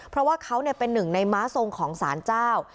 เพราะว่าเขาเป็นหนึ่งในม้าทรงของสารเจ้า